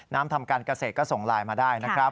น้ำทำการเกษตรก็ส่งลายมาได้